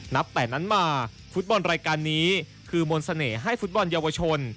นับแต่นั้นมาฟุตบอลรายการนี้คือมนต์เสน่ห์ให้ฟุตบอลเยาวชน